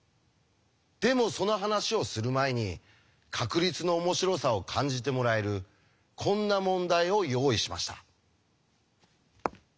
でもその話をする前に確率の面白さを感じてもらえるこんな問題を用意しました。